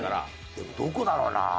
でもどこだろうなあ。